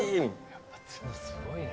やっぱ角すごいな。